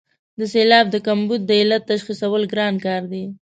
د سېلاب د کمبود د علت تشخیصول ګران کار دی.